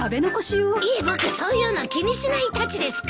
いえ僕そういうの気にしないたちですから。